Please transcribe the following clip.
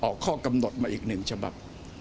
ออกข้อกำหนดมาอีก๑ฉบับ